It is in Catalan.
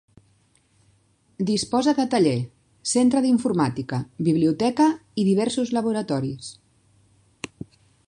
Disposa de taller, centre d'informàtica, Biblioteca i diversos laboratoris.